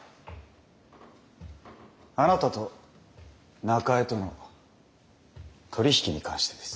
あなたと中江との取り引きに関してです。